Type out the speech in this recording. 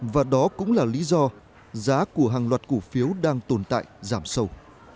và đó cũng là lý do giá của hàng loạt cổ phiếu đang tồn tại giảm sâu